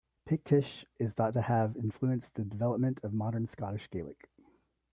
Pictish is thought to have influenced the development of modern Scottish Gaelic.